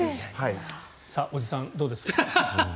おじさん、どうですか？